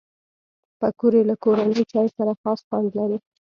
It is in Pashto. پکورې له کورني چای سره خاص خوند لري